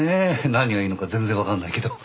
何がいいのか全然わからないけど。